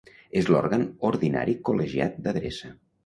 És l'òrgan ordinari col·legiat d'adreça.